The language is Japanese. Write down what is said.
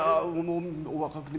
お若くて。